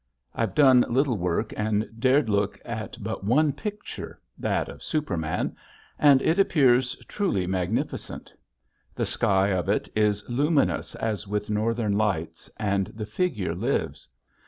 I've done little work and dared look at but one picture that of Superman and it appears truly magnificent. The sky of it is luminous as with northern lights, and the figure lives.